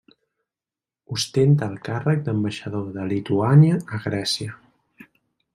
Ostenta el càrrec d'ambaixador de Lituània a Grècia.